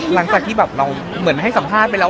หลังจากที่หรือให้สัมภาษณ์ไปแล้ว